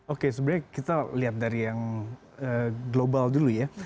oke sebenarnya kita lihat dari yang global dulu ya